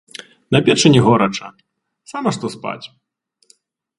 На печы не горача, сама што спаць.